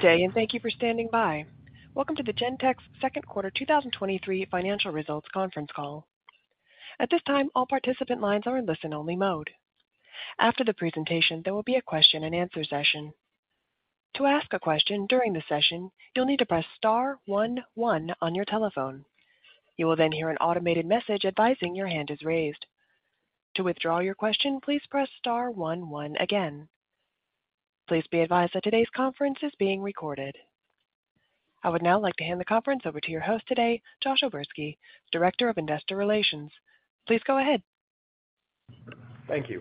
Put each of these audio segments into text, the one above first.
Good day, and thank you for standing by. Welcome to the Gentex Second Quarter 2023 Financial Results conference call. At this time, all participant lines are in listen-only mode. After the presentation, there will be a question-and-answer session. To ask a question during the session, you'll need to press star one one on your telephone. You will hear an automated message advising your hand is raised. To withdraw your question, please press star one one again. Please be advised that today's conference is being recorded. I would now like to hand the conference over to your host today, Josh O'Berski, Director of Investor Relations. Please go ahead. Thank you.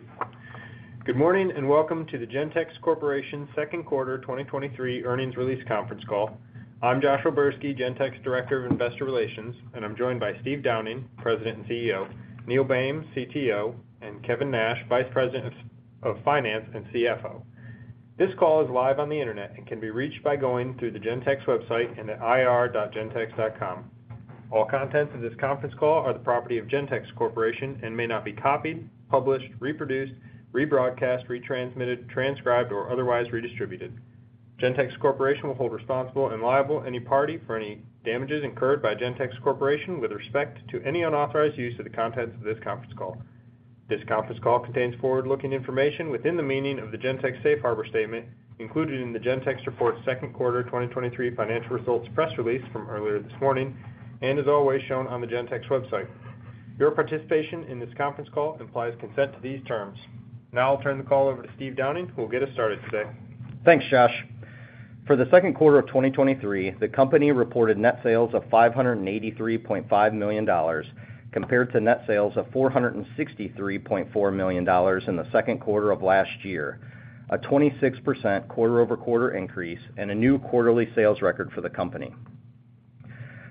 Good morning, welcome to the Gentex Corporation Second Quarter 2023 Earnings Release conference call. I'm Josh O'Berski, Gentex Director of Investor Relations, and I'm joined by Steve Downing, President and CEO, Neil Boehm, CTO, and Kevin Nash, Vice President of Finance and CFO. This call is live on the Internet and can be reached by going through the Gentex website and at ir.gentex.com. All contents of this conference call are the property of Gentex Corporation and may not be copied, published, reproduced, rebroadcast, retransmitted, transcribed, or otherwise redistributed. Gentex Corporation will hold responsible and liable any party for any damages incurred by Gentex Corporation with respect to any unauthorized use of the contents of this conference call. This conference call contains forward-looking information within the meaning of the Gentex safe harbor statement included in the Gentex report's second quarter 2023 financial results press release from earlier this morning and is always shown on the Gentex website. Your participation in this conference call implies consent to these terms. I'll turn the call over to Steve Downing, who will get us started today. Thanks, Josh. For the second quarter of 2023, the company reported net sales of $583.5 million, compared to net sales of $463.4 million in the second quarter of last year, a 26% quarter-over-quarter increase and a new quarterly sales record for the company.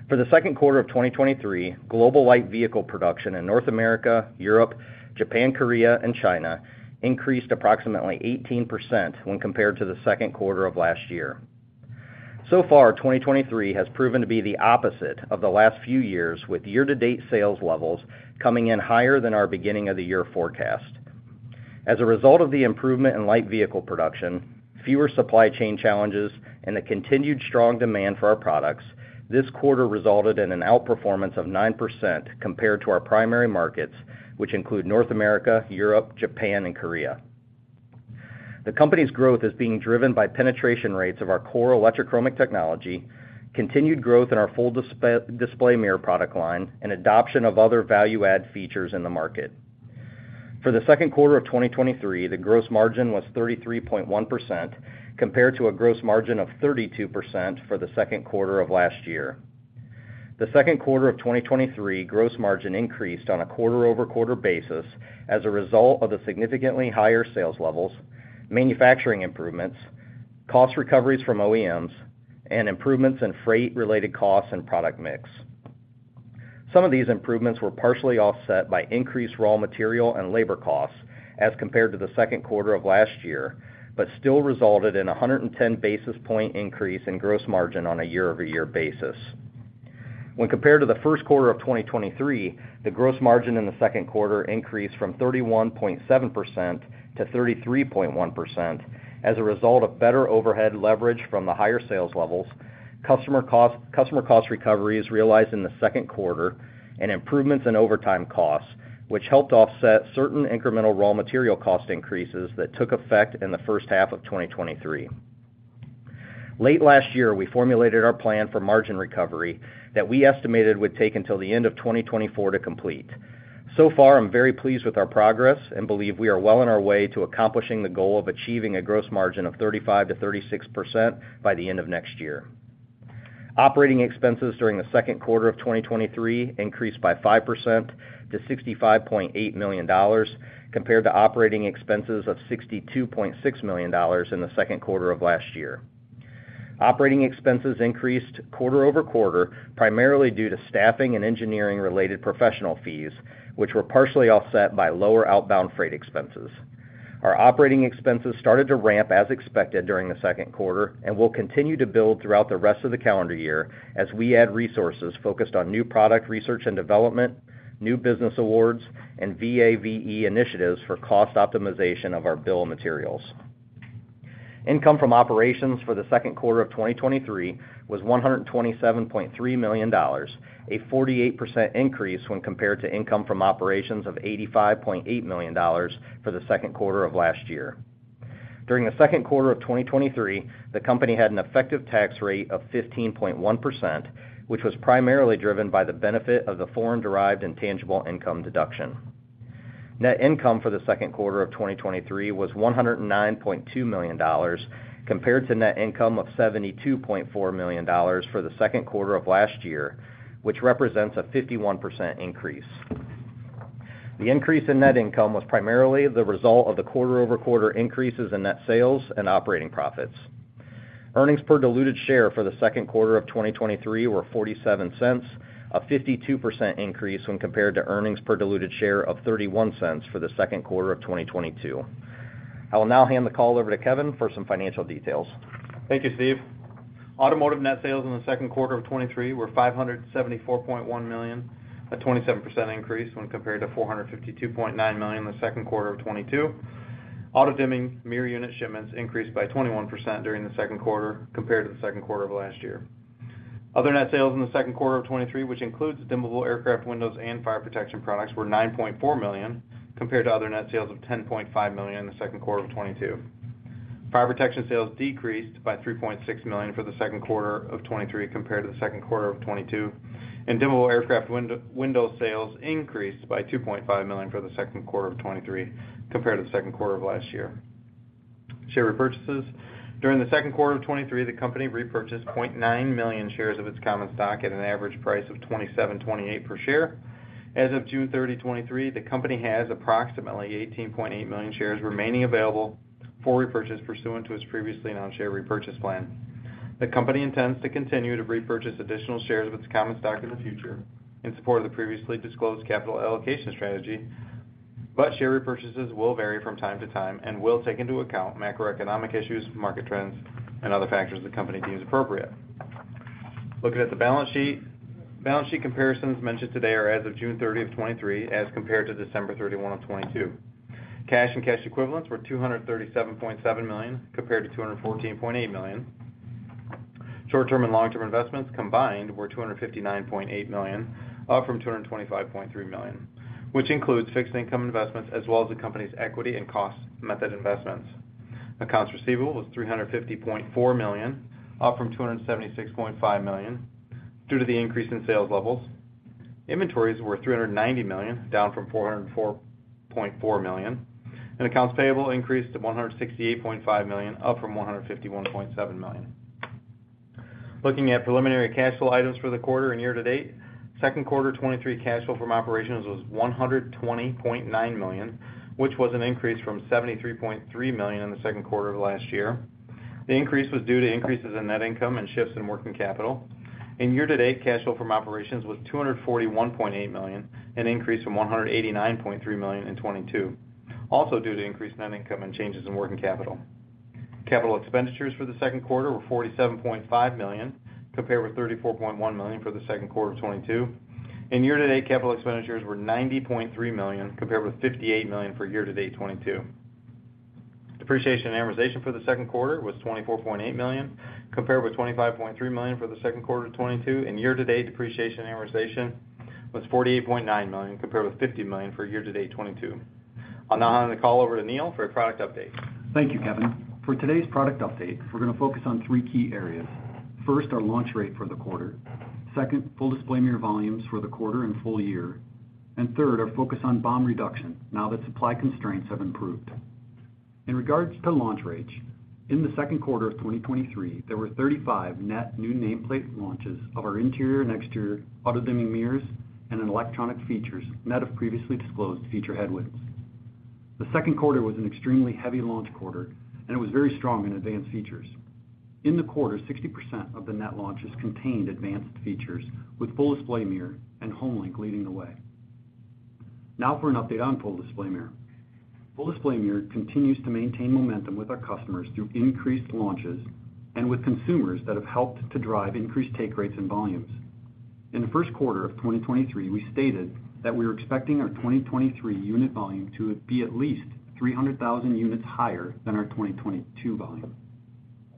For the second quarter of 2023, global light vehicle production in North America, Europe, Japan, Korea, and China increased approximately 18% when compared to the second quarter of last year. Far, 2023 has proven to be the opposite of the last few years, with year-to-date sales levels coming in higher than our beginning of the year forecast. As a result of the improvement in light vehicle production, fewer supply chain challenges, and the continued strong demand for our products, this quarter resulted in an outperformance of 9% compared to our primary markets, which include North America, Europe, Japan, and Korea. The company's growth is being driven by penetration rates of our core electrochromic technology, continued growth in our Full Display Mirror product line, and adoption of other value-add features in the market. For the second quarter of 2023, the gross margin was 33.1%, compared to a gross margin of 32% for the second quarter of last year. The second quarter of 2023, gross margin increased on a quarter-over-quarter basis as a result of the significantly higher sales levels, manufacturing improvements, cost recoveries from OEMs, and improvements in freight-related costs and product mix. Some of these improvements were partially offset by increased raw material and labor costs as compared to the second quarter of last year, still resulted in a 110 basis point increase in gross margin on a year-over-year basis. When compared to the first quarter of 2023, the gross margin in the second quarter increased from 31.7% to 33.1% as a result of better overhead leverage from the higher sales levels, customer cost recoveries realized in the second quarter, and improvements in overtime costs, which helped offset certain incremental raw material cost increases that took effect in the first half of 2023. Late last year, we formulated our plan for margin recovery that we estimated would take until the end of 2024 to complete. Far, I'm very pleased with our progress and believe we are well on our way to accomplishing the goal of achieving a gross margin of 35%-36% by the end of next year. Operating expenses during the second quarter of 2023 increased by 5% to $65.8 million, compared to operating expenses of $62.6 million in the second quarter of last year. Operating expenses increased quarter-over-quarter, primarily due to staffing and engineering-related professional fees, which were partially offset by lower outbound freight expenses. Our operating expenses started to ramp as expected during the second quarter and will continue to build throughout the rest of the calendar year as we add resources focused on new product research and development, new business awards, and VAVE initiatives for cost optimization of our bill of materials. Income from operations for the second quarter of 2023 was $127.3 million, a 48% increase when compared to income from operations of $85.8 million for the second quarter of last year. During the second quarter of 2023, the company had an effective tax rate of 15.1%, which was primarily driven by the benefit of the foreign-derived intangible income deduction. Net income for the second quarter of 2023 was $109.2 million, compared to net income of $72.4 million for the second quarter of last year, which represents a 51% increase. The increase in net income was primarily the result of the quarter-over-quarter increases in net sales and operating profits. Earnings per diluted share for the second quarter of 2023 were $0.47, a 52% increase when compared to earnings per diluted share of $0.31 for the second quarter of 2022. I will now hand the call over to Kevin for some financial details. Thank you, Steve. Automotive net sales in the second quarter of 2023 were $574.1 million, a 27% increase when compared to $452.9 million in the second quarter of 2022. auto-dimming mirror unit shipments increased by 21% during the second quarter compared to the second quarter of last year. Other net sales in the second quarter of 2023, which includes dimmable aircraft windows and fire protection products, were $9.4 million, compared to other net sales of $10.5 million in the second quarter of 2022. Fire protection sales decreased by $3.6 million for the second quarter of 2023 compared to the second quarter of 2022. Dimmable aircraft window sales increased by $2.5 million for the second quarter of 2023 compared to the second quarter of last year. Share repurchases. During the second quarter of 2023, the company repurchased 0.9 million shares of its common stock at an average price of $27.28 per share. As of June 30, 2023, the company has approximately 18.8 million shares remaining available for repurchase pursuant to its previously announced share repurchase plan. The company intends to continue to repurchase additional shares of its common stock in the future in support of the previously disclosed capital allocation strategy, but share repurchases will vary from time to time and will take into account macroeconomic issues, market trends, and other factors the company deems appropriate. Looking at the balance sheet. Balance sheet comparisons mentioned today are as of June 30, 2023, as compared to December 31, 2022. Cash and cash equivalents were $237.7 million, compared to $214.8 million. Short-term and long-term investments combined were $259.8 million, up from $225.3 million, which includes fixed income investments, as well as the company's equity and cost method investments. Accounts receivable was $350.4 million, up from $276.5 million, due to the increase in sales levels. Inventories were $390 million, down from $404.4 million. Accounts payable increased to $168.5 million, up from $151.7 million. Looking at preliminary cash flow items for the quarter and year-to-date, second quarter 2023 cash flow from operations was $120.9 million, which was an increase from $73.3 million in the second quarter of last year. The increase was due to increases in net income and shifts in working capital. year-to-date, cash flow from operations was $241.8 million, an increase from $189.3 million in 2022, also due to increased net income and changes in working capital. Capital expenditures for the second quarter were $47.5 million, compared with $34.1 million for the second quarter of 2022. year-to-date, capital expenditures were $90.3 million, compared with $58 million for year-to-date 2022. Depreciation and amortization for the second quarter was $24.8 million, compared with $25.3 million for the second quarter of 2022. year-to-date, depreciation and amortization was $48.9 million, compared with $50 million for year-to-date 2022. I'll now hand the call over to Neil for a product update. Thank you, Kevin. For today's product update, we're gonna focus on three key areas. First, our launch rate for the quarter, second, Full Display Mirror volumes for the quarter and full year, and third, our focus on BOM reduction now that supply constraints have improved. In regards to launch rates, in the second quarter of 2023, there were 35 net new nameplate launches of our interior and exterior auto-dimming mirrors and in electronic features, net of previously disclosed feature headwinds. The second quarter was an extremely heavy launch quarter, and it was very strong in advanced features. In the quarter, 60% of the net launches contained advanced features, with Full Display Mirror and HomeLink leading the way. Now for an update on Full Display Mirror. Full Display Mirror continues to maintain momentum with our customers through increased launches and with consumers that have helped to drive increased take rates and volumes. In the first quarter of 2023, we stated that we were expecting our 2023 unit volume to be at least 300,000 units higher than our 2022 volume.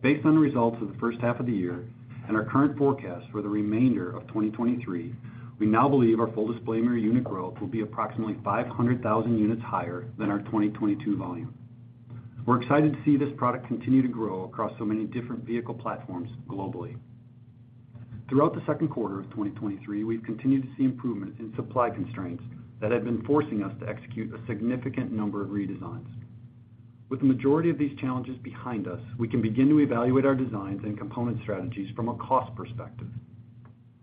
Based on the results of the first half of the year and our current forecast for the remainder of 2023, we now believe our Full Display Mirror unit growth will be approximately 500,000 units higher than our 2022 volume. We're excited to see this product continue to grow across so many different vehicle platforms globally. Throughout the second quarter of 2023, we've continued to see improvement in supply constraints that have been forcing us to execute a significant number of redesigns. With the majority of these challenges behind us, we can begin to evaluate our designs and component strategies from a cost perspective.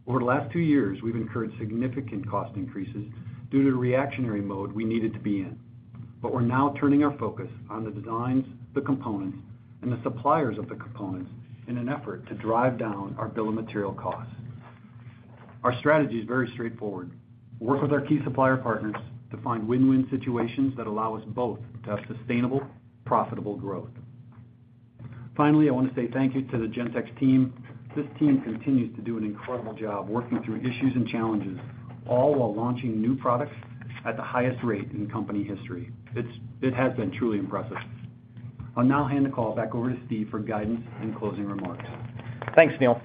Over the last 2 years, we've incurred significant cost increases due to the reactionary mode we needed to be in, but we're now turning our focus on the designs, the components, and the suppliers of the components in an effort to drive down our bill of material costs. Our strategy is very straightforward: work with our key supplier partners to find win-win situations that allow us both to have sustainable, profitable growth. Finally, I want to say thank you to the Gentex team. This team continues to do an incredible job working through issues and challenges, all while launching new products at the highest rate in company history. It's-- it has been truly impressive. I'll now hand the call back over to Steve for guidance and closing remarks. Thanks, Neil.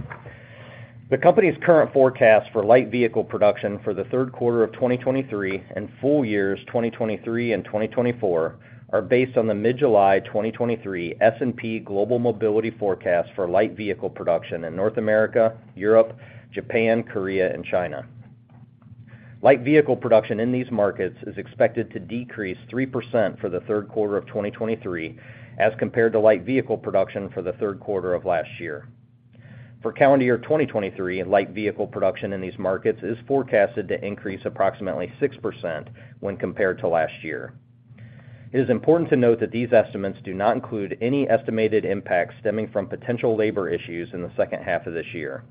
The company's current forecast for light vehicle production for the third quarter of 2023 and full years 2023 and 2024 are based on the mid-July 2023 S&P Global Mobility forecast for light vehicle production in North America, Europe, Japan, Korea, and China. Light vehicle production in these markets is expected to decrease 3% for the third quarter of 2023 as compared to light vehicle production for the third quarter of last year. For calendar year 2023, light vehicle production in these markets is forecasted to increase approximately 6% when compared to last year. It is important to note that these estimates do not include any estimated impact stemming from potential labor issues in the second half of this year.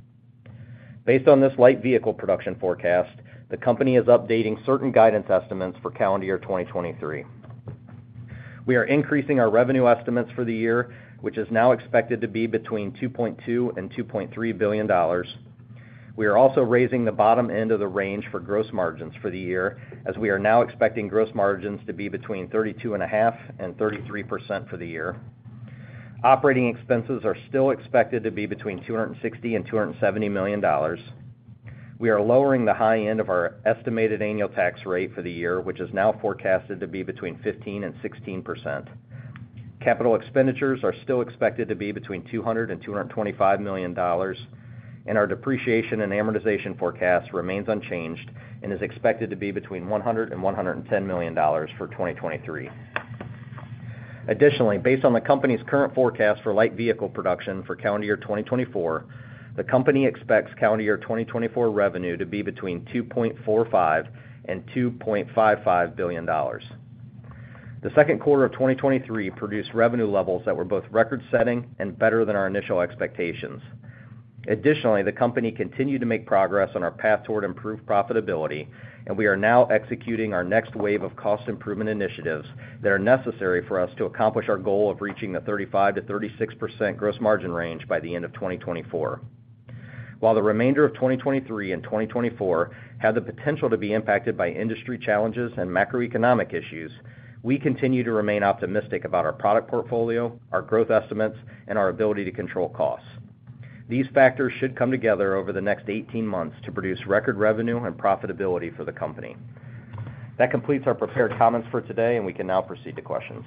Based on this light vehicle production forecast, the company is updating certain guidance estimates for calendar year 2023. We are increasing our revenue estimates for the year, which is now expected to be between $2.2 billion and $2.3 billion. We are also raising the bottom end of the range for gross margins for the year, as we are now expecting gross margins to be between 32.5% and 33% for the year. OpEx are still expected to be between $260 million and $270 million. We are lowering the high end of our estimated annual tax rate for the year, which is now forecasted to be between 15% and 16%. CapEx are still expected to be between $200 million and $225 million, and our depreciation and amortization forecast remains unchanged and is expected to be between $100 million and $110 million for 2023. Based on the company's current forecast for light vehicle production for calendar year 2024, the company expects calendar year 2024 revenue to be between $2.45 billion and $2.55 billion. The second quarter of 2023 produced revenue levels that were both record-setting and better than our initial expectations. The company continued to make progress on our path toward improved profitability, and we are now executing our next wave of cost improvement initiatives that are necessary for us to accomplish our goal of reaching the 35%-36% gross margin range by the end of 2024. While the remainder of 2023 and 2024 have the potential to be impacted by industry challenges and macroeconomic issues, we continue to remain optimistic about our product portfolio, our growth estimates, and our ability to control costs. These factors should come together over the next 18 months to produce record revenue and profitability for the company. That completes our prepared comments for today, and we can now proceed to questions.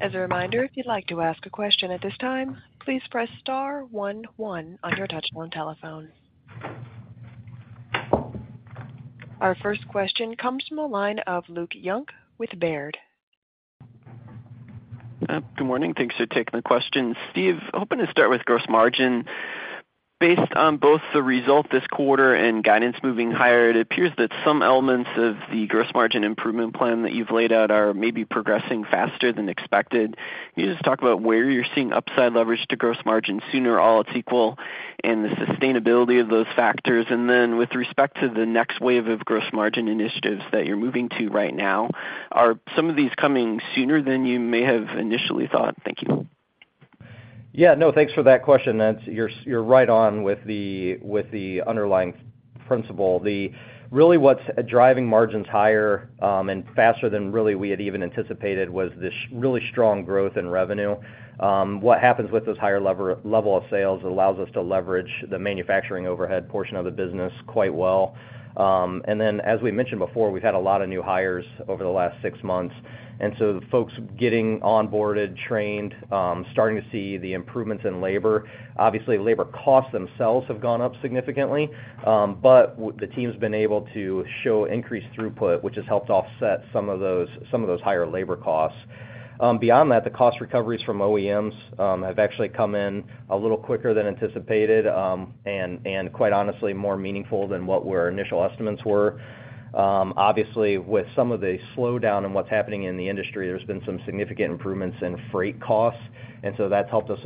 As a reminder, if you'd like to ask a question at this time, please press star one one on your touchtone telephone. Our first question comes from the line of Luke Junk with Baird. Good morning. Thanks for taking the question. Steve, hoping to start with gross margin. Based on both the result this quarter and guidance moving higher, it appears that some elements of the gross margin improvement plan that you've laid out are maybe progressing faster than expected. Can you just talk about where you're seeing upside leverage to gross margin sooner, all else equal, and the sustainability of those factors? With respect to the next wave of gross margin initiatives that you're moving to right now, are some of these coming sooner than you may have initially thought? Thank you. Yeah. No, thanks for that question. That's, you're, you're right on with the, with the underlying principle. The, really, what's driving margins higher, and faster than really we had even anticipated, was this really strong growth in revenue. What happens with those higher level of sales, it allows us to leverage the manufacturing overhead portion of the business quite well. And then, as we mentioned before, we've had a lot of new hires over the last six months, and so the folks getting onboarded, trained, starting to see the improvements in labor. Obviously, labor costs themselves have gone up significantly, but the team's been able to show increased throughput, which has helped offset some of those, some of those higher labor costs. Beyond that, the cost recoveries from OEMs have actually come in a little quicker than anticipated, and quite honestly, more meaningful than what were our initial estimates were. Obviously, with some of the slowdown in what's happening in the industry, there's been some significant improvements in freight costs, so that's helped us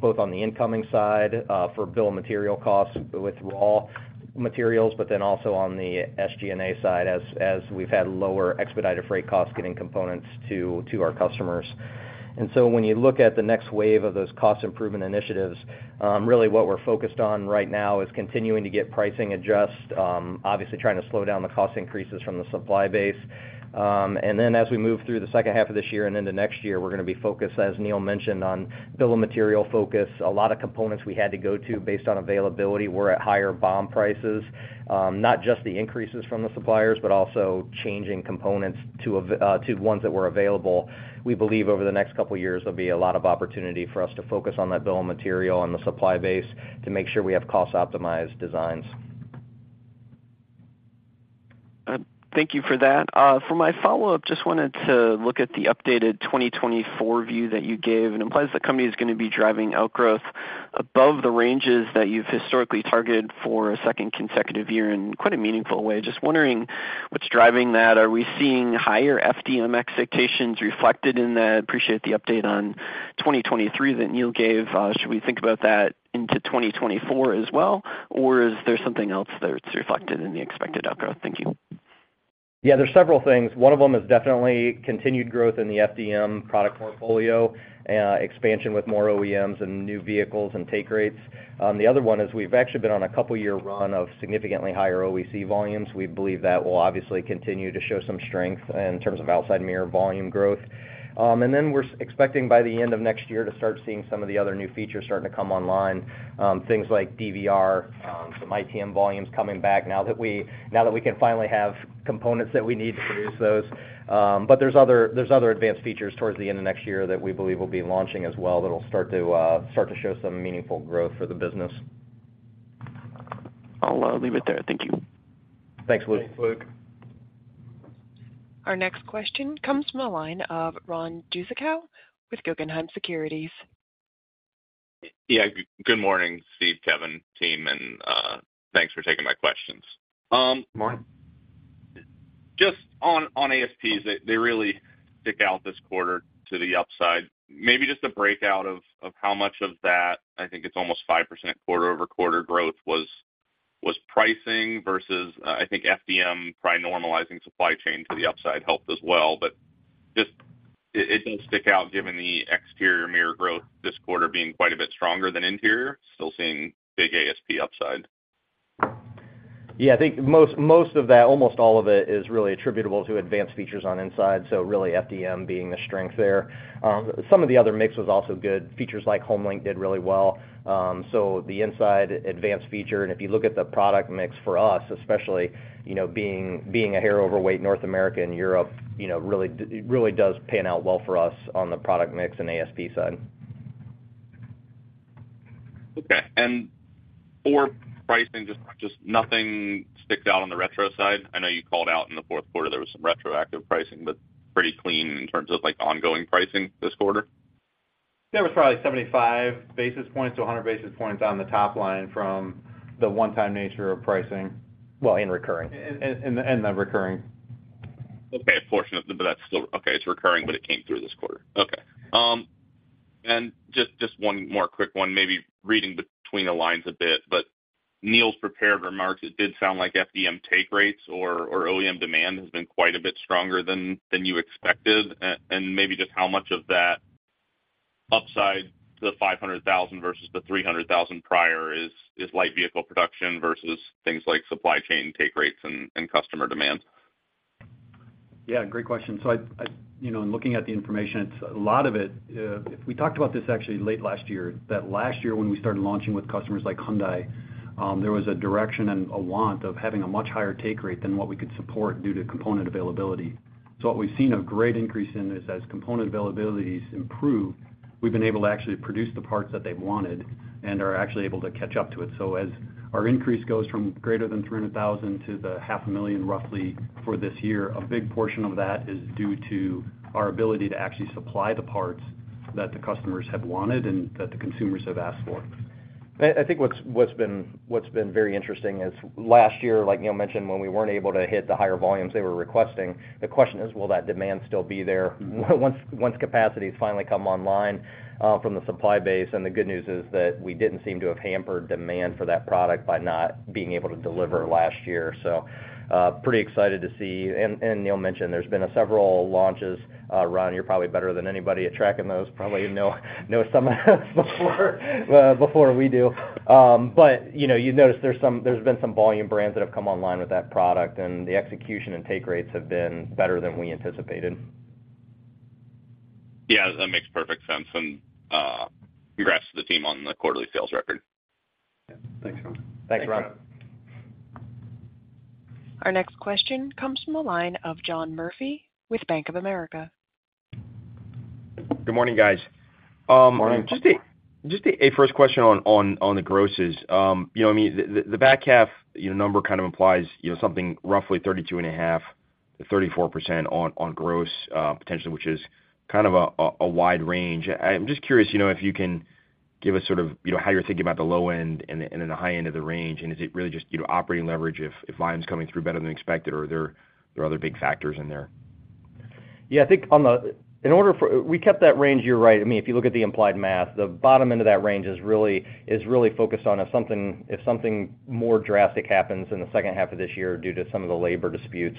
both on the incoming side for bill and material costs with raw materials, but then also on the SG&A side, as we've had lower expedited freight costs getting components to our customers. When you look at the next wave of those cost improvement initiatives, really what we're focused on right now is continuing to get pricing adjusted, obviously trying to slow down the cost increases from the supply base. As we move through the second half of this year and into next year, we're gonna be focused, as Neil mentioned, on bill of material focus. A lot of components we had to go to based on availability were at higher BOM prices. Not just the increases from the suppliers, but also changing components to ones that were available. We believe over the next couple of years, there'll be a lot of opportunity for us to focus on that bill of material and the supply base to make sure we have cost-optimized designs. Thank you for that. For my follow-up, just wanted to look at the updated 2024 view that you gave. It implies the company is gonna be driving outgrowth above the ranges that you've historically targeted for a second consecutive year in quite a meaningful way. Just wondering what's driving that. Are we seeing higher FDM expectations reflected in that? Appreciate the update on 2023 that Neil gave. Should we think about that into 2024 as well, or is there something else that's reflected in the expected outgrowth? Thank you. Yeah, there's several things. One of them is definitely continued growth in the FDM product portfolio, expansion with more OEMs and new vehicles and take rates. The other one is we've actually been on a couple of year run of significantly higher OEC volumes. We believe that will obviously continue to show some strength in terms of outside mirror volume growth. We're expecting by the end of next year to start seeing some of the other new features starting to come online, things like DVR, some ITM volumes coming back now that we can finally have components that we need to produce those. There's other, there's other advanced features towards the end of next year that we believe will be launching as well, that'll start to start to show some meaningful growth for the business. I'll leave it there. Thank you. Thanks, Luke. Thanks, Luke. Our next question comes from the line of Ron Jewsikow with Guggenheim Securities. Yeah. Good morning, Steve, Kevin, team, and thanks for taking my questions. Morning. Just on, on ASPs, they, they really stick out this quarter to the upside. Maybe just a breakout of, of how much of that, I think it's almost 5% quarter-over-quarter growth, was pricing versus, I think FDM, probably normalizing supply chain to the upside helped as well. Just, it, it does stick out, given the exterior mirror growth this quarter being quite a bit stronger than interior, still seeing big ASP upside. Yeah, I think most, most of that, almost all of it, is really attributable to advanced features on inside, so really FDM being the strength there. Some of the other mix was also good. Features like HomeLink did really well. The inside advanced feature, if you look at the product mix for us, especially, you know, being, being a hair overweight North America and Europe, you know, really it really does pan out well for us on the product mix and ASP side. Okay. For pricing, just, just nothing sticks out on the retro side? I know you called out in the fourth quarter, there was some retroactive pricing, but pretty clean in terms of, like, ongoing pricing this quarter. There was probably 75-100 basis points on the top line from the one-time nature of pricing. Well, and recurring. and, and the recurring. Okay, a portion of it, but that's still... Okay, it's recurring, but it came through this quarter. Okay. Just, just one more quick one, maybe reading between the lines a bit, but Neil's prepared remarks, it did sound like FDM take rates or, or OEM demand has been quite a bit stronger than, than you expected. And maybe just how much of that upside to the 500,000 versus the 300,000 prior is, is light vehicle production versus things like supply chain take rates and, and customer demand? Yeah, great question. I, you know, in looking at the information, it's a lot of it, we talked about this actually late last year, that last year, when we started launching with customers like Hyundai, there was a direction and a want of having a much higher take rate than what we could support due to component availability. What we've seen a great increase in is, as component availabilities improve, we've been able to actually produce the parts that they wanted and are actually able to catch up to it. As our increase goes from greater than 300,000 to the 500,000, roughly, for this year, a big portion of that is due to our ability to actually supply the parts that the customers have wanted and that the consumers have asked for. I, I think what's, what's been, what's been very interesting is last year, like Neil mentioned, when we weren't able to hit the higher volumes they were requesting, the question is, will that demand still be there once, once capacities finally come online, from the supply base? The good news is that we didn't seem to have hampered demand for that product by not being able to deliver last year. Pretty excited to see... Neil mentioned, there's been a several launches. Ron, you're probably better than anybody at tracking those, probably know, know some of us before, before we do. You know, you've noticed there's been some volume brands that have come online with that product, and the execution and take rates have been better than we anticipated. Yeah, that makes perfect sense. Congrats to the team on the quarterly sales record. Thanks, Ron. Thanks, Ron. Our next question comes from the line of John Murphy with Bank of America. Good morning, guys. Morning. Just a, just a first question on, on, on the grosses. You know, I mean, the, the back half, you know, number kind of implies, you know, something roughly 32.5%-34% on, on gross, potentially, which is kind of a, a, a wide range. I'm just curious, you know, if you can give us sort of, you know, how you're thinking about the low end and the, and the high end of the range. Is it really just, you know, operating leverage if, if volume's coming through better than expected, or are there, there are other big factors in there? Yeah, I think on the... In order for-- We kept that range, you're right. I mean, if you look at the implied math, the bottom end of that range is really, is really focused on if something, if something more drastic happens in the second half of this year due to some of the labor disputes.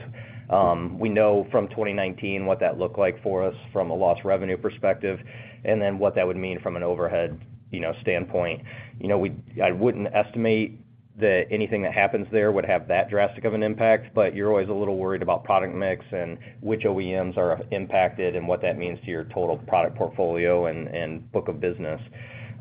We know from 2019 what that looked like for us from a lost revenue perspective, and then what that would mean from an overhead, you know, standpoint. You know, we-- I wouldn't estimate that anything that happens there would have that drastic of an impact, but you're always a little worried about product mix and which OEMs are impacted, and what that means to your total product portfolio and, and book of business.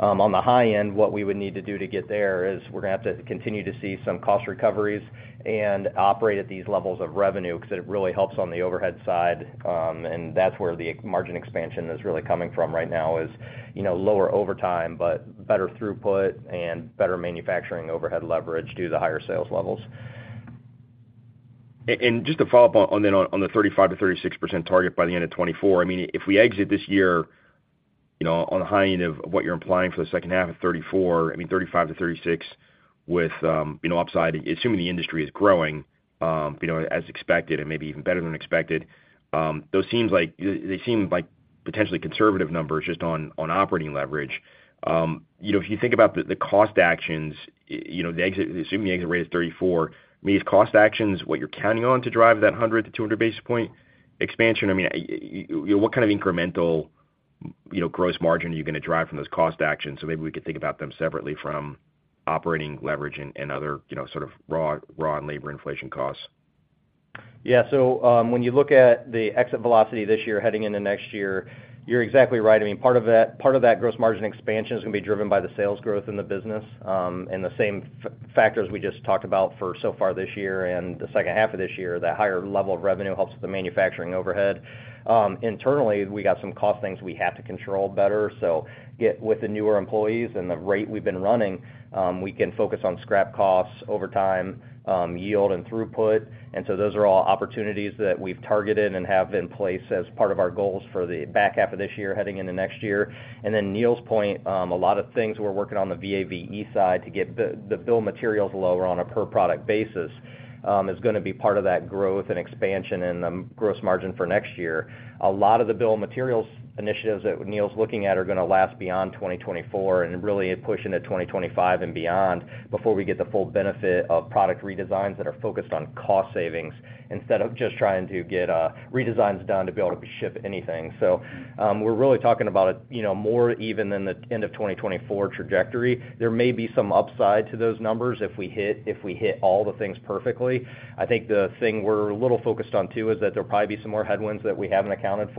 On the high end, what we would need to do to get there is we're gonna have to continue to see some cost recoveries and operate at these levels of revenue, because it really helps on the overhead side. That's where the margin expansion is really coming from right now is, you know, lower overtime, but better throughput and better manufacturing overhead leverage due to the higher sales levels. Just to follow up on, on the, on the 35%-36% target by the end of 2024. I mean, if we exit this year, you know, on a high end of what you're implying for the second half of 34, I mean, 35-36, with, you know, upside, assuming the industry is growing, you know, as expected and maybe even better than expected, they seem like potentially conservative numbers just on, on operating leverage. You know, if you think about the, the cost actions, you know, assuming the exit rate is 34, I mean, these cost actions are what you're counting on to drive that 100 to 200 basis point expansion? I mean, you know, what kind of incremental, you know, gross margin are you going to drive from those cost actions? Maybe we could think about them separately from operating leverage and, and other, you know, sort of raw, raw and labor inflation costs. Yeah. So, when you look at the exit velocity this year heading into next year, you're exactly right. I mean, part of that, part of that gross margin expansion is going to be driven by the sales growth in the business, and the same factors we just talked about for so far this year and the second half of this year, that higher level of revenue helps with the manufacturing overhead. Internally, we got some cost things we have to control better. Get with the newer employees and the rate we've been running, we can focus on scrap costs over time, yield and throughput. Those are all opportunities that we've targeted and have in place as part of our goals for the back half of this year, heading into next year. Then Neil's point, a lot of things we're working on the VAVE side to get the, the bill of materials lower on a per product basis, is going to be part of that growth and expansion and the gross margin for next year. A lot of the bill of materials initiatives that Neil's looking at are gonna last beyond 2024 and really push into 2025 and beyond, before we get the full benefit of product redesigns that are focused on cost savings, instead of just trying to get redesigns done to be able to ship anything. We're really talking about, you know, more even than the end of 2024 trajectory. There may be some upside to those numbers if we hit, if we hit all the things perfectly. I think the thing we're a little focused on, too, is that there'll probably be some more headwinds that we haven't accounted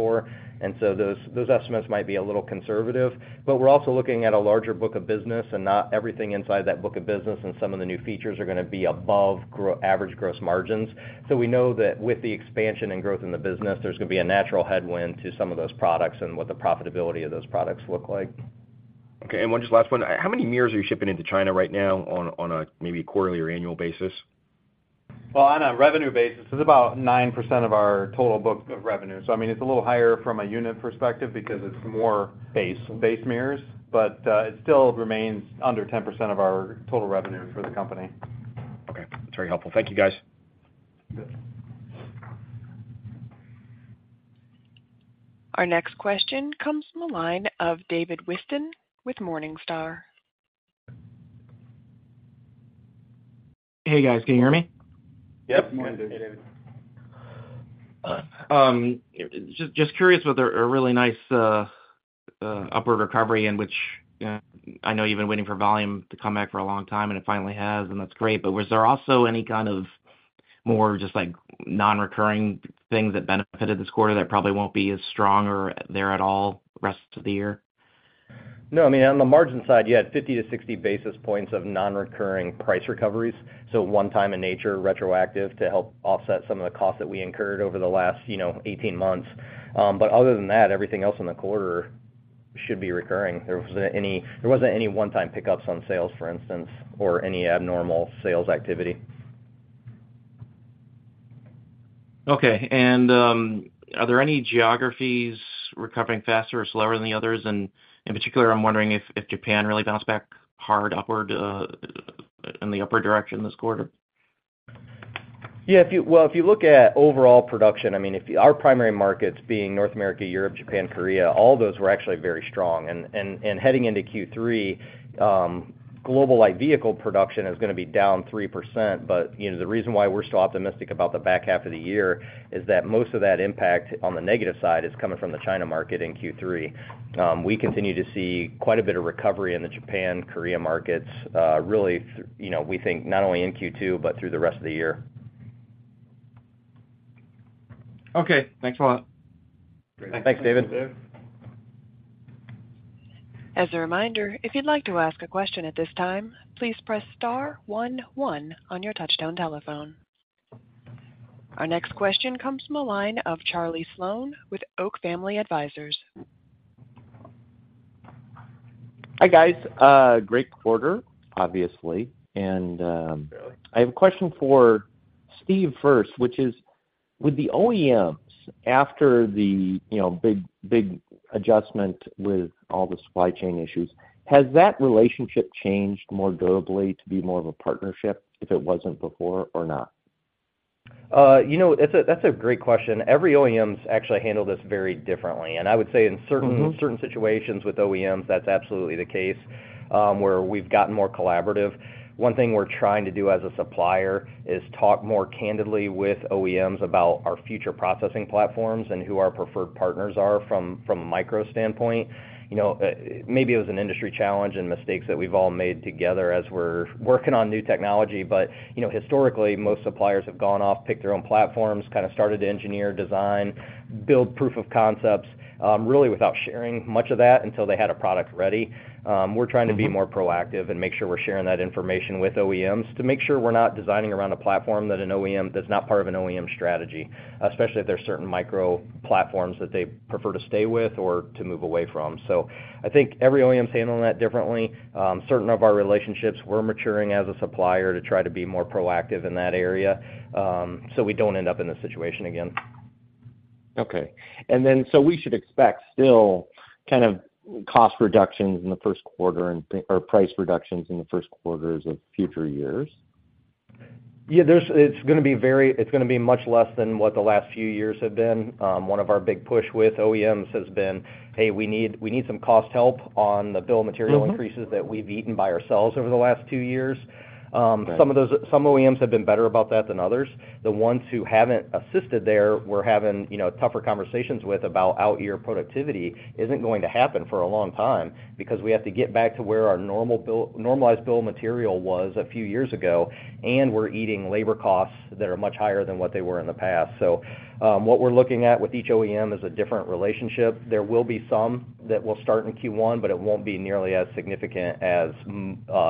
for, and so those, those estimates might be a little conservative. We're also looking at a larger book of business, and not everything inside that book of business and some of the new features are gonna be above average gross margins. We know that with the expansion and growth in the business, there's gonna be a natural headwind to some of those products and what the profitability of those products look like. Okay, and 1 just last one. How many mirrors are you shipping into China right now on, on a maybe quarterly or annual basis? Well, on a revenue basis, it's about 9% of our total book of revenue. I mean, it's a little higher from a unit perspective because it's more- Base. Base mirrors, it still remains under 10% of our total revenue for the company. Okay, that's very helpful. Thank you, guys. Good. Our next question comes from the line of David Whiston with Morningstar. Hey, guys, can you hear me? Yep. Good morning, David. Hey, David. Just, just curious whether a really nice upward recovery in which, I know you've been waiting for volume to come back for a long time, and it finally has, and that's great. Was there also any kind of more just, like, nonrecurring things that benefited this quarter that probably won't be as strong or there at all the rest of the year? No, I mean, on the margin side, you had 50-60 basis points of nonrecurring price recoveries. So one time in nature, retroactive, to help offset some of the costs that we incurred over the last, you know, 18 months. Other than that, everything else in the quarter should be recurring. There wasn't any one-time pickups on sales, for instance, or any abnormal sales activity. Okay. Are there any geographies recovering faster or slower than the others? In particular, I'm wondering if, if Japan really bounced back hard upward, in the upper direction this quarter. Yeah, if you... Well, if you look at overall production, I mean, if our primary markets being North America, Europe, Japan, Korea, all those were actually very strong. Heading into Q3, global light vehicle production is going to be down 3%, you know, the reason why we're still optimistic about the back half of the year is that most of that impact on the negative side is coming from the China market in Q3. We continue to see quite a bit of recovery in the Japan, Korea markets, really, you know, we think not only in Q2, but through the rest of the year. Okay, thanks a lot. Thanks, David. As a reminder, if you'd like to ask a question at this time, please press star one, one on your touchtone telephone. Our next question comes from the line of Charlie Sloan with Oak Family Advisors. Hi, guys. Great quarter, obviously. I have a question for Steve first, which is: with the OEMs, after the, you know, big, big adjustment with all the supply chain issues, has that relationship changed more durably to be more of a partnership if it wasn't before or not? you know, that's a, that's a great question. Every OEMs actually handle this very differently, and I would say in certain Mm-hmm. certain situations with OEMs, that's absolutely the case, where we've gotten more collaborative. One thing we're trying to do as a supplier is talk more candidly with OEMs about our future processing platforms and who our preferred partners are from, from a micro standpoint. You know, maybe it was an industry challenge and mistakes that we've all made together as we're working on new technology, but, you know, historically, most suppliers have gone off, picked their own platforms, kind of started to engineer, design, build proof of concepts, really without sharing much of that until they had a product ready. We're trying- Mm-hmm... to be more proactive and make sure we're sharing that information with OEMs to make sure we're not designing around a platform that an OEM, that's not part of an OEM strategy, especially if there are certain micro platforms that they prefer to stay with or to move away from. So I think every OEM is handling that differently. Certain of our relationships, we're maturing as a supplier to try to be more proactive in that area, so we don't end up in this situation again. Okay. We should expect still kind of cost reductions in the first quarter or price reductions in the first quarters of future years? Yeah, it's going to be much less than what the last few years have been. One of our big push with OEMs has been, "Hey, we need, we need some cost help on the bill of material increases... Mm-hmm That we've eaten by ourselves over the last two years. Right. Some OEMs have been better about that than others. The ones who haven't assisted there, we're having, you know, tougher conversations with, about out year productivity isn't going to happen for a long time because we have to get back to where our normalized bill of material was a few years ago, and we're eating labor costs that are much higher than what they were in the past. What we're looking at with each OEM is a different relationship. There will be some that will start in Q1, but it won't be nearly as significant as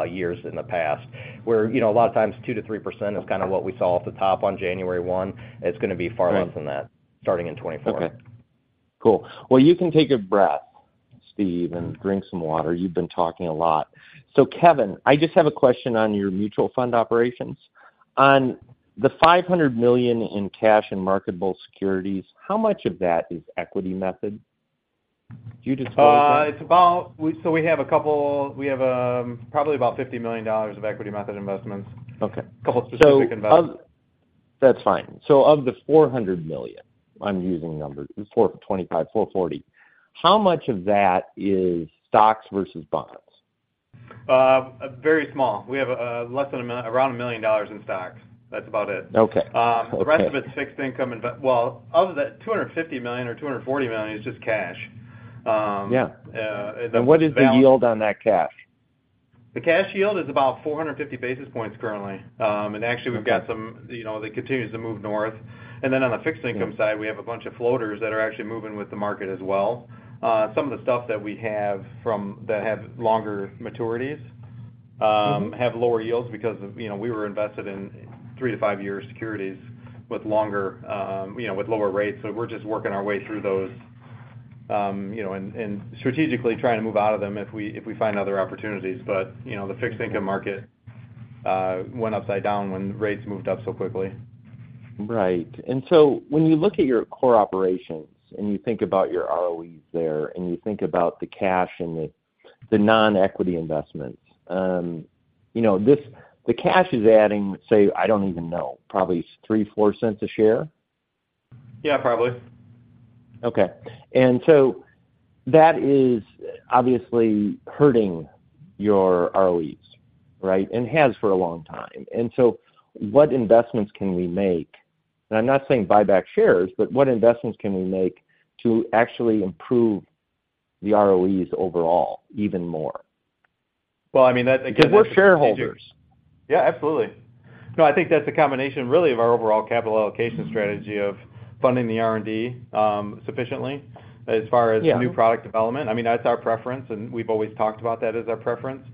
years in the past, where, you know, a lot of times, 2%-3% is kind of what we saw off the top on January 1. It's going to be far less than that. Right Starting in 2024. Okay, cool. Well, you can take a breath, Steve, and drink some water. You've been talking a lot. Kevin, I just have a question on your mutual fund operations. On the $500 million in cash and marketable securities, how much of that is equity method? Do you disclose that? We have probably about $50 million of equity method investments. Okay. A couple of specific investments. That's fine. Of the $400 million, I'm using numbers, 425, 440, how much of that is stocks versus bonds? Very small. We have less than $1 million, around $1 million in stocks. That's about it. Okay. The rest of it is fixed income Well, of the $250 million or $240 million is just cash. Yeah. The balance- What is the yield on that cash? The cash yield is about 450 basis points currently. Actually, we've got some-. Okay... you know, that continues to move north. On the fixed income side, we have a bunch of floaters that are actually moving with the market as well. Some of the stuff that we have from-- that have longer maturities. have lower yields because of, you know, we were invested in 3-5-year securities with longer, you know, with lower rates. We're just working our way through those, you know, and, and strategically trying to move out of them if we, if we find other opportunities. You know, the fixed income market, went upside down when rates moved up so quickly. Right. When you look at your core operations, and you think about your ROE there, and you think about the cash and the, the non-equity investments, you know, the cash is adding, say, I don't even know, probably $0.03-$0.04 a share? Yeah, probably. Okay. That is obviously hurting your ROEs, right? Has for a long time. What investments can we make? I'm not saying buy back shares, but what investments can we make to actually improve the ROEs overall even more? Well, I mean, that, again. Because we're shareholders. Yeah, absolutely. No, I think that's a combination, really, of our overall capital allocation strategy of funding the R&D, sufficiently, as far as. Yeah... new product development. I mean, that's our preference, and we've always talked about that as our preference.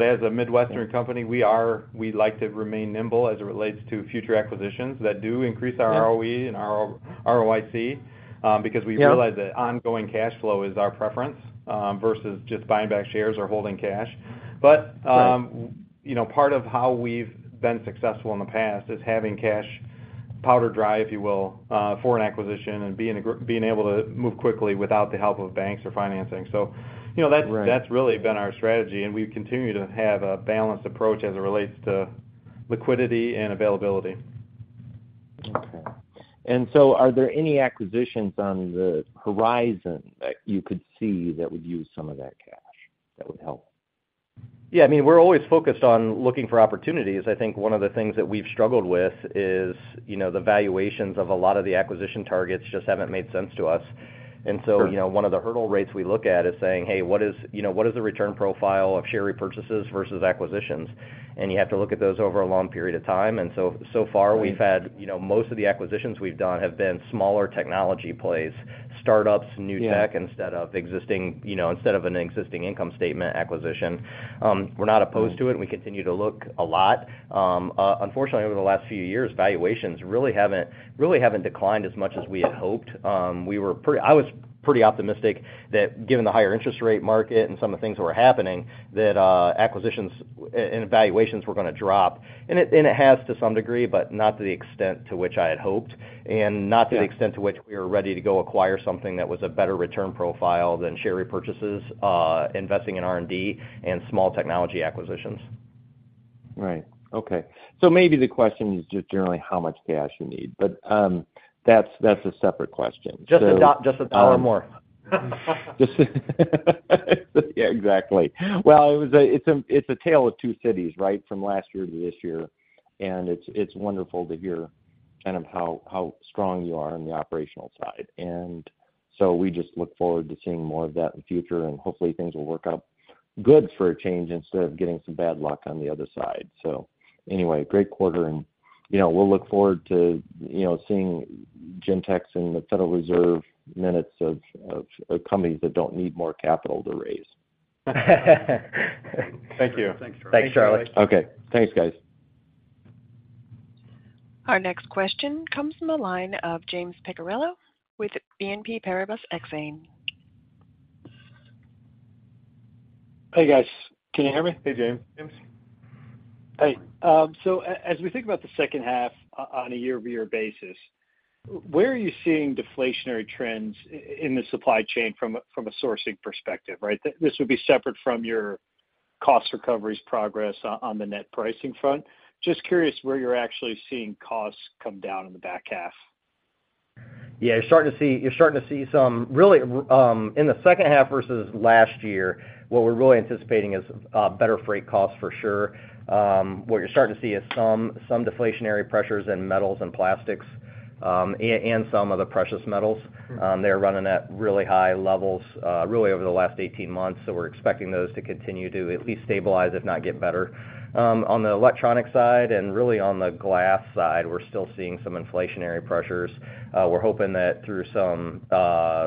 As a Midwestern company, we like to remain nimble as it relates to future acquisitions that do increase our ROE. Yeah... and our ROIC, because we realize- Yeah... that ongoing cash flow is our preference, versus just buying back shares or holding cash. Right... you know, part of how we've been successful in the past is having cash, powder dry, if you will, for an acquisition and being able to move quickly without the help of banks or financing. you know, that. Right... that's really been our strategy, and we continue to have a balanced approach as it relates to liquidity and availability. Okay. Are there any acquisitions on the horizon that you could see that would use some of that cash, that would help? Yeah, I mean, we're always focused on looking for opportunities. I think one of the things that we've struggled with is, you know, the valuations of a lot of the acquisition targets just haven't made sense to us. Sure. So, you know, one of the hurdle rates we look at is saying, "Hey, what is, you know, what is the return profile of share repurchases versus acquisitions?" You have to look at those over a long period of time. So, so far we've had, you know, most of the acquisitions we've done have been smaller technology plays, startups, new tech- Yeah... instead of existing, you know, instead of an existing income statement acquisition. We're not opposed to it. Mm. We continue to look a lot. Unfortunately, over the last few years, valuations really haven't, really haven't declined as much as we had hoped. I was pretty optimistic that given the higher interest rate market and some of the things that were happening, that, acquisitions and valuations were gonna drop. It, and it has to some degree, but not to the extent to which I had hoped, and not- Yeah... to the extent to which we were ready to go acquire something that was a better return profile than share repurchases, investing in R&D and small technology acquisitions. Right. Okay. Maybe the question is just generally how much cash you need, but, that's, that's a separate question. Just a dollar, just $1 more. Just... Yeah, exactly. Well, it was a, it's a, it's a tale of two cities, right? From last year to this year, and it's, it's wonderful to hear kind of how, how strong you are on the operational side. We just look forward to seeing more of that in the future, and hopefully, things will work out good for a change instead of getting some bad luck on the other side. Anyway, great quarter, and, you know, we'll look forward to, you know, seeing Gentex and the Federal Reserve minutes of, of, of companies that don't need more capital to raise. Thank you. Thanks, Charlie. Okay. Thanks, guys. Our next question comes from the line of James Picariello with BNP Paribas Exane. Hey, guys. Can you hear me? Hey, James. James. Hey. As we think about the second half on a year-over-year basis, where are you seeing deflationary trends in the supply chain from a sourcing perspective, right? This would be separate from your cost recovery's progress on the net pricing front. Just curious where you're actually seeing costs come down in the back half. Yeah, you're starting to see, you're starting to see some really, in the second half versus last year, what we're really anticipating is, better freight costs for sure. What you're starting to see is some, some deflationary pressures in metals and plastics, and some of the precious metals. Mm. They're running at really high levels, really over the last 18 months, so we're expecting those to continue to at least stabilize, if not get better. On the electronic side and really on the glass side, we're still seeing some inflationary pressures. We're hoping that through some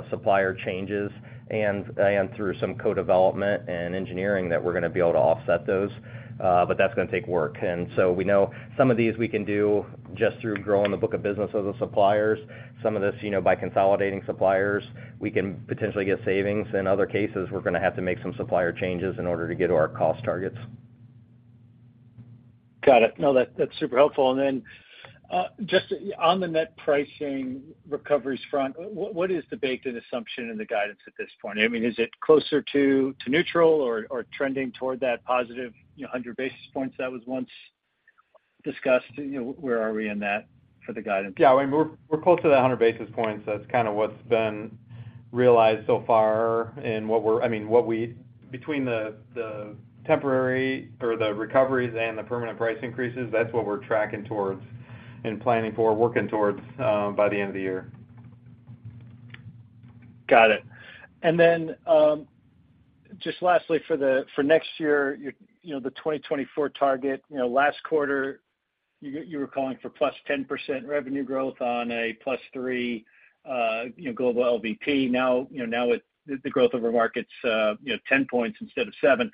supplier changes and, and through some co-development and engineering, that we're gonna be able to offset those, but that's gonna take work. So we know some of these we can do just through growing the book of business of the suppliers. Some of this, you know, by consolidating suppliers, we can potentially get savings. In other cases, we're gonna have to make some supplier changes in order to get to our cost targets. Got it. No, that, that's super helpful. Then, just on the net pricing recoveries front, what, what is the baked-in assumption in the guidance at this point? I mean, is it closer to, to neutral or, or trending toward that positive, you know, 100 basis points that was once discussed? You know, where are we in that for the guidance? Yeah, I mean, we're, we're close to the 100 basis points. That's kind of what's been realized so far and what we, I mean, what we, between the temporary or the recoveries and the permanent price increases, that's what we're tracking towards and planning for, working towards, by the end of the year. Got it. Then, just lastly, for next year, you're, you know, the 2024 target, you know, last quarter, you were calling for +10% revenue growth on a +3, you know, global LVP. Now, you know, now with the growth over markets, you know, 10 points instead of seven.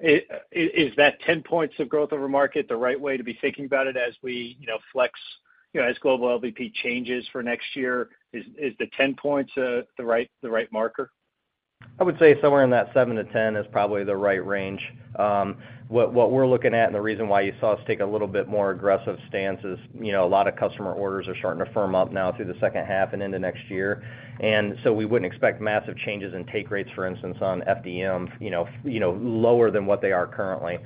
Is that 10 points of growth over market the right way to be thinking about it as we, you know, flex, you know, as global LVP changes for next year, is, is the 10 points, the right, the right marker? I would say somewhere in that 7 to 10 is probably the right range. What, what we're looking at and the reason why you saw us take a little bit more aggressive stance is, you know, a lot of customer orders are starting to firm up now through the second half and into next year. We wouldn't expect massive changes in take rates, for instance, on FDM, you know, you know, lower than what they are currently.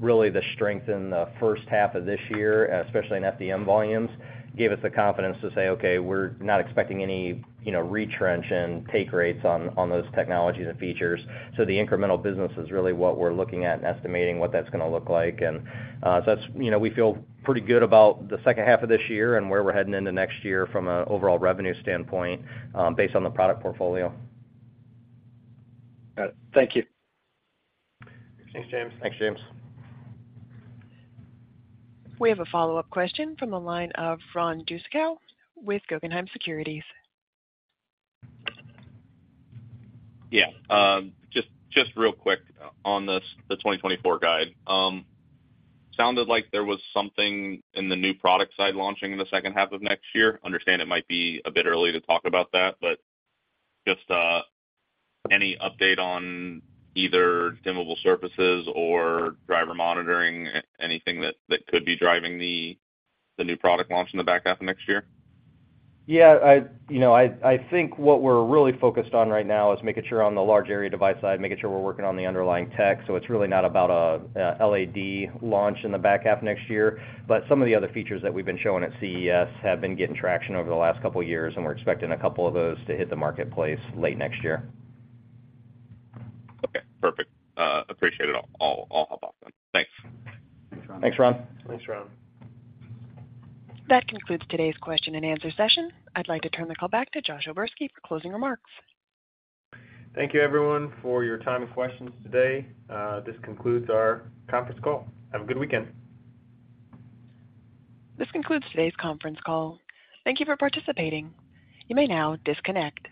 Really, the strength in the first half of this year, especially in FDM volumes, gave us the confidence to say, okay, we're not expecting any, you know, retrench in take rates on, on those technologies and features. The incremental business is really what we're looking at and estimating what that's gonna look like. So that's, you know, we feel pretty good about the second half of this year and where we're heading into next year from an overall revenue standpoint, based on the product portfolio. Got it. Thank you. Thanks, James. Thanks, James. We have a follow-up question from the line of Ron Jewsikow with Guggenheim Securities. Yeah, just, just real quick on the 2024 guide. Sounded like there was something in the new product side launching in the second half of next year. I understand it might be a bit early to talk about that, but just, any update on either dimmable surfaces or driver monitoring, anything that, that could be driving the, the new product launch in the back half of next year? I, you know, I, I think what we're really focused on right now is making sure on the large-area dimmable device side, making sure we're working on the underlying tech. It's really not about a, a LAD launch in the back half of next year, but some of the other features that we've been showing at CES have been getting traction over the last couple of years, and we're expecting a couple of those to hit the marketplace late next year. Okay, perfect. appreciate it. I'll, I'll, I'll hop off then. Thanks. Thanks, Ron. Thanks, Ron. Thanks, Ron. That concludes today's question and answer session. I'd like to turn the call back to Josh O'Berski for closing remarks. Thank you, everyone, for your time and questions today. This concludes our conference call. Have a good weekend. This concludes today's conference call. Thank you for participating. You may now disconnect.